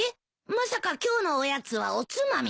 まさか今日のおやつはおつまみ？